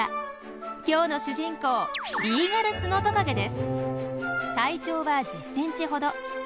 今日の主人公体長は１０ｃｍほど。